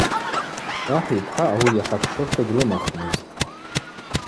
Ахӏ йпхӏа ауи йахӏа пшырта гьлымахмызтӏ.